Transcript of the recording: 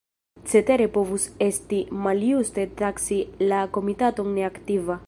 Cetere povus esti maljuste taksi la Komitaton neaktiva.